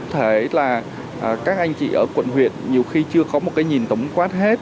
thế là các anh chị ở quận huyền nhiều khi chưa có một nhìn tổng quát hết